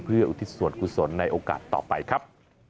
เพื่ออุทิศส่วนกุศลในโอกาสต่อไปครับ